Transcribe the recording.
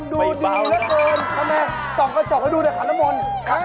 ทำไมจอกกระจอกให้ดูด้วยค่ะน้ำมนต์